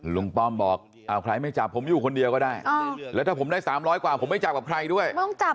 ป้อมบอกเอาใครไม่จับผมอยู่คนเดียวก็ได้แล้วถ้าผมได้๓๐๐กว่าผมไม่จับกับใครด้วย